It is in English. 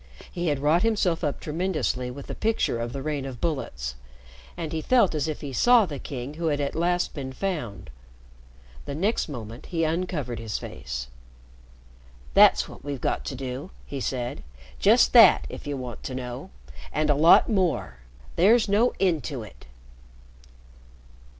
He had wrought himself up tremendously with the picture of the rain of bullets. And he felt as if he saw the King who had at last been found. The next moment he uncovered his face. "That's what we've got to do," he said. "Just that, if you want to know. And a lot more. There's no end to it!"